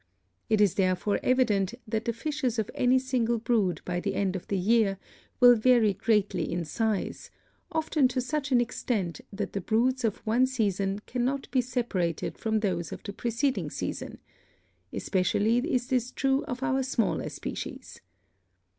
It is therefore evident that the fishes of any single brood by the end of the year will vary greatly in size, often to such an extent that the broods of one season cannot be separated from those of the preceding season; especially is this true of our smaller species.